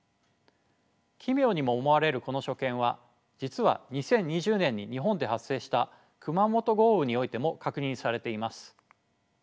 奇妙にも思われるこの所見は実は２０２０年に日本で発生した熊本豪雨においても確認されています。